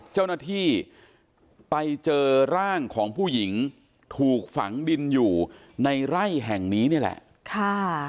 เจ้าหน้าที่ไปเจอร่างของผู้หญิงถูกฝังดินอยู่ในไร่แห่งนี้นี่แหละค่ะ